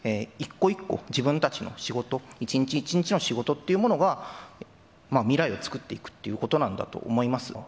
一個一個、自分たちの仕事、一日一日の仕事というものが、未来を作っていくということなんだと思います。